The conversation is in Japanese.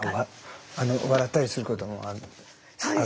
笑ったりすることもあるんですか？